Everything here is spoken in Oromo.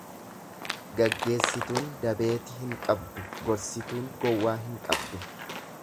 Gaggeessituun dabeeti hin qabdu gorsituun gowwaa hin qabdu.